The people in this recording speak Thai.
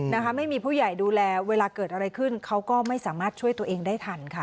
นะคะไม่มีผู้ใหญ่ดูแลเวลาเกิดอะไรขึ้นเขาก็ไม่สามารถช่วยตัวเองได้ทันค่ะ